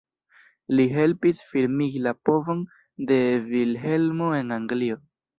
Li helpis firmigi la povon de Vilhelmo en Anglio.